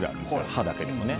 刃だけでもね。